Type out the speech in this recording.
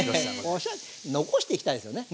おしゃれ残していきたいですよね。